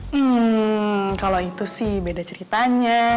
hmm kalau itu sih beda ceritanya